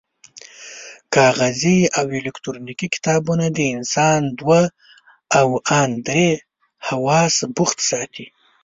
کاغذي او الکترونیکي کتابونه د انسان دوه او ان درې حواس بوخت ساتي.